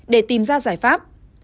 để tìm ra giải pháp